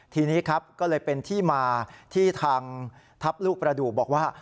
ทีนี้ครับก็เลยเป็นที่มาที่ทางทัพลูกประดูกบอกว่า